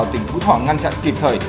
tỉnh phú thỏ ngăn chặn kịp thời